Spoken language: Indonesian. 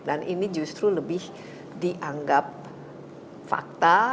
dan ini justru lebih dianggap fakta